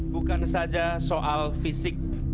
bukan saja soal fisik